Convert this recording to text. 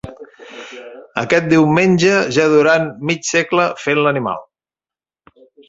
A quest diumenge ja duran mig segle fent l'animal.